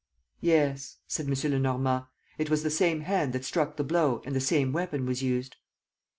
"Yes," said M. Lenormand, "it was the same hand that struck the blow and the same weapon was used."